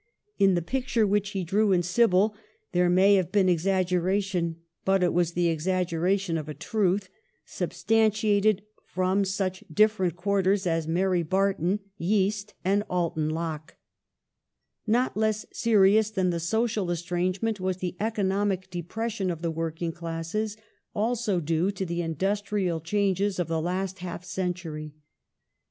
In the picture which he drew in Sybil there may have been exaggeration, but it was the exaggeration of a truth, substantiated from such different quarters as Mary Barton, Yeast, and Alton Locke} Not less serious than the social estrangement was the economic depression of the working classes, also due to the industrial changes of the last half century.